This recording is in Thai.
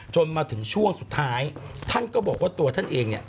จนมาถึงช่วงสุดท้ายท่านก็บอกว่าตัวท่านเองเนี่ย